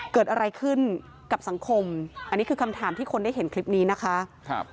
เกิดอะไรขึ้นกับสังคมอันนี้คือคำถามที่คนได้เห็นคลิปนี้นะคะครับ